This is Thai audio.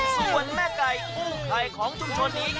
ส่วนแม่ไก่กุ้งไข่ของชุมชนนี้